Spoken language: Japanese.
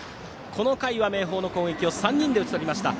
この回は明豊の攻撃を３人で打ち取りました。